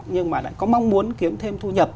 nhưng mà lại có mong muốn kiếm thêm thu nhập